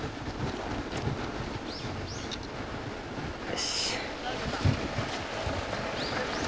よし。